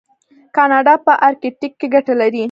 کاناډا په ارکټیک کې ګټې لري.